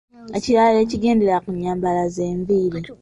Ekirala ekigendera ku nnyambala ze nviiri.